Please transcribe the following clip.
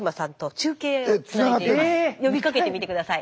呼びかけてみて下さい。